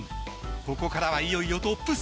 ここからはいよいよトップ３。